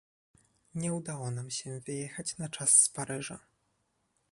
Nie udało nam się wyjechać na czas z Paryża